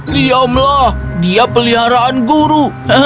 diamlah dia peliharaan guru